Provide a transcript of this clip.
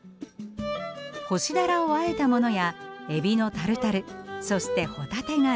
干しダラをあえたものやエビのタルタルそしてホタテ貝。